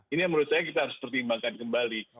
ini yang menurut saya kita harus pertimbangkan kembali